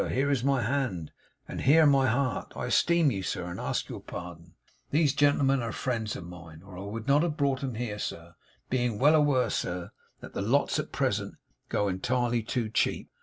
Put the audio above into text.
Here is my hand, and here my heart. I esteem you, sir, and ask your pardon. These gentlemen air friends of mine, or I would not have brought 'em here, sir, being well aware, sir, that the lots at present go entirely too cheap.